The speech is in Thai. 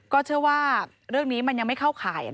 เชื่อว่าเรื่องนี้มันยังไม่เข้าข่าย